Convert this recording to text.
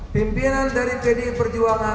pimpinan dari pdi perjuangan